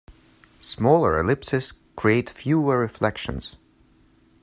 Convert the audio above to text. Smaller ellipses create fewer reflections.